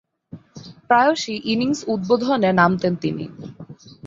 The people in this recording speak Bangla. প্রায়শঃই ইনিংস উদ্বোধনে নামতেন তিনি।